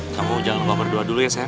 kamu jangan lupa berdoa dulu ya sayang